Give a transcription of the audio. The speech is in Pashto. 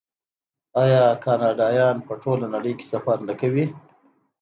آیا کاناډایان په ټوله نړۍ کې سفر نه کوي؟